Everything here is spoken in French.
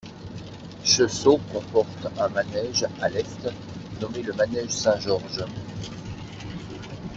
Cheseaux comporte un manège à l'est nommé le manège St-Georges.